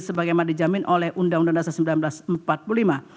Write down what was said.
sebagaimana dijamin oleh undang undang dasar seribu sembilan ratus empat puluh lima